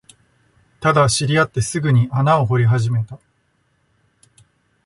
ただ、知り合ってすぐに穴を掘り始めた